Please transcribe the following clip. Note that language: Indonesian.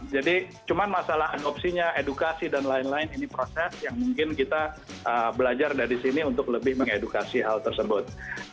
jadi cuma masalahan opsinya edukasi dan lain lain ini proses yang mungkin kita belajar dari sini untuk lebih mengedukasi hal tersebut